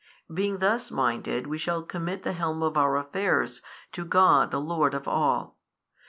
Being thus minded we shall commit the helm of our affairs to God the Lord of all.